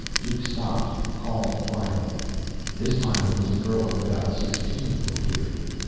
Duke stopped, calling quietly. This time it was a girl of about sixteen who appeared.